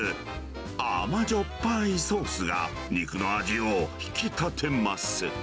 甘じょっぱいソースが肉の味を引き立てます。